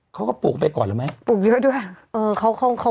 เขาก็ปลูกไปก่อนเลยไหมปลูกเยอะด้วยเออเขาก็